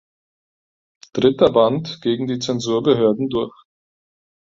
Dritter Band" gegen die Zensurbehörden durch.